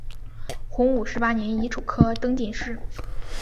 洪武十八年乙丑科登进士。